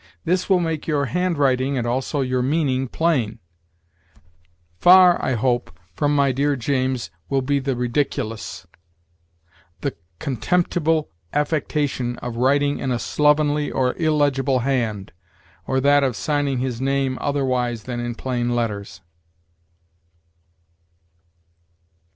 This will make your handwriting and also your meaning plain. Far, I hope, from my dear James will be the ridiculous, the contemptible affectation of writing in a slovenly or illegible hand, or that of signing his name otherwise than in plain letters."